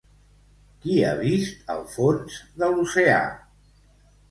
Qui ha vist el fons de l'oceà?